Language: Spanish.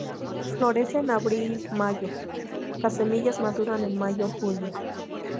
Florece en abril-mayo, las semillas maduran en mayo-junio.